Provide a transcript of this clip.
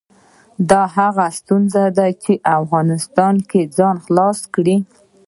دا هغه ستونزه ده چې افغانستان ځان خلاص کړي.